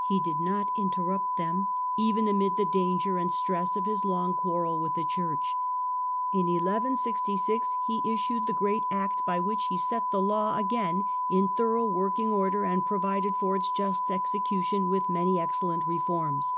He did not in terrupt them even amid the danger and stress of his long quarrel with the church. In 1 166 he issued the great act by which he set the law again in thorough working order, and provided for its just The Assize of ^^ecution with many excellent reforms.